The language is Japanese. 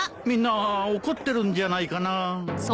みんな怒ってるんじゃないかな。